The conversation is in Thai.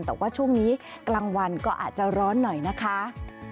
แต่ว่าช่วงนี้กลางวันก็อาจจะร้อนหน่อยนะคะ